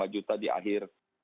tujuh lima juta di akhir